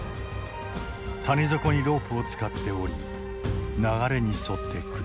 谷底にロープを使って降り流れに沿って下る。